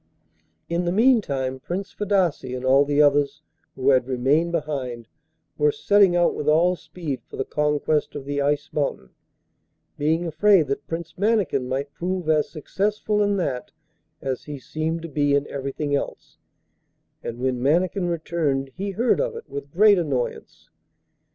In the meantime Prince Fadasse and all the others who had remained behind were setting out with all speed for the conquest of the Ice Mountain, being afraid that Prince Mannikin might prove as successful in that as he seemed to be in everything else, and when Mannikin returned he heard of it with great annoyance.